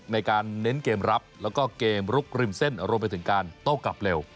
ในการเน้นเกมรับแล้วก็เกมลุกริมเส้นรวมไปถึงการโต้กลับเร็ว